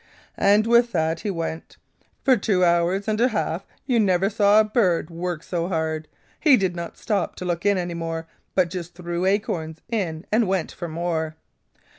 "And with that away he went. For two hours and a half you never saw a bird work so hard. He did not stop to look in any more, but just threw acorns in and went for more.